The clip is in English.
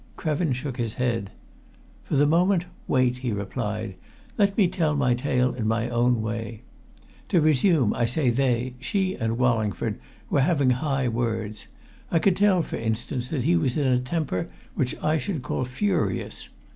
Krevin shook his head. "For the moment wait!" he replied. "Let me tell my tale in my own way. To resume, I say they she and Wallingford were having high words. I could tell, for instance, that he was in a temper which I should call furious.